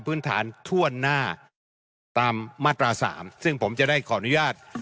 พื้นฐานทั่วหน้าตามมาตรา๓ซึ่งผมจะได้ขออนุญาต